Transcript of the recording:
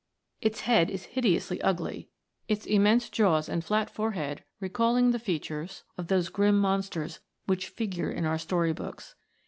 Its head is hideously 8 THE AGE OF MONSTERS. ugly, its immense jaws and flat forehead recalling the features of those grim monsters which figure in our story books.